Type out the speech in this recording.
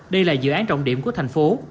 đây là dự án trọng điểm của thành phố